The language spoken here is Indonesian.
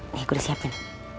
nih gua udah siapin